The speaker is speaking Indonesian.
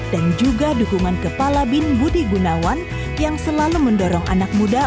dan juga dukungan kepala bin budi gunawan yang selalu mendorong anak muda